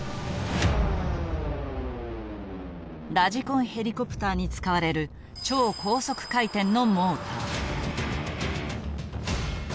ラジコンヘリコプターに使われる超高速回転のモーター。